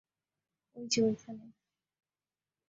ওই যে ওই খানে।